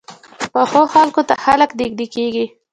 پخو خلکو ته خلک نږدې کېږي